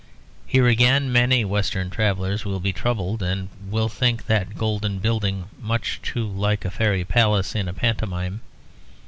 Here again many Western travellers will be troubled; and will think that golden building much too like a fairy palace in a pantomime.